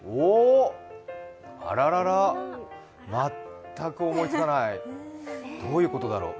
あらららら、全く思いつかない、どういうことだろう？